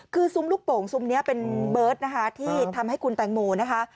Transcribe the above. คือซุ้มลูกโป่งซุ้มนี้เป็นเบิร์ตนะคะที่ทำให้คุณแตงโมนะคะ